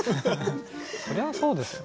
そりゃそうですよね。